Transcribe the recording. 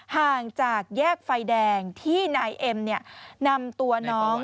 ห่างจากแยกไฟแดงที่นายเอ็มนำตัวน้อง